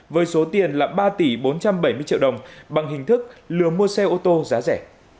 với số tiền là ba tỷ bốn trăm bảy mươi triệu đồng bằng hình thức lừa mua xe ô tô giá rẻ